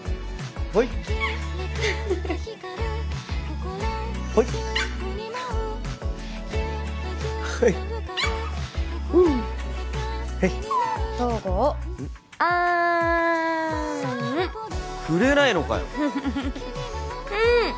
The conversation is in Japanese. はいはいはいふうはい東郷あんくれないのかようん！